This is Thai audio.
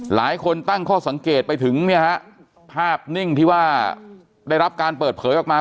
หลายคนตั้งข้อสังเกตไปถึงเนี่ยฮะภาพนิ่งที่ว่าได้รับการเปิดเผยออกมา